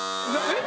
えっ？